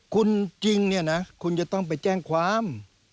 คุณจริงเนี่ยนะคุณจะต้องไปแจ้งความ